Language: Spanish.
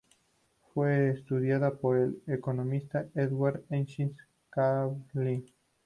Fue estudiada por el economista Edward Hastings Chamberlin.